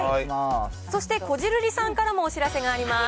そしてこじるりさんからもお知らせがあります。